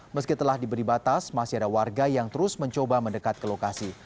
meski telah diberi batas masih ada warga yang terus mencoba mendekat ke lokasi